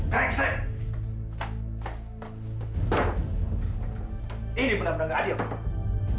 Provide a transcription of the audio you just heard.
bagaimanapun caranya cendawan emas itu harus jadi milikku